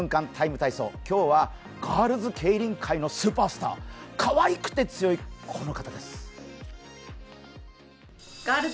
体操」、今日はガールズケイリン界のスーパースターかわいくて強い、この方です。